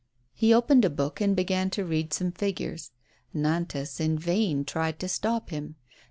lie opened a book and began to read some figures. Nantas in vain tried to stop him.